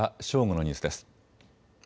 正午のニュースです。